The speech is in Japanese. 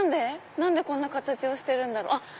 何でこんな形をしてるんだろう？